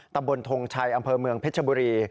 ตะบนทงชายอำเภอเมืองเผชมบุรี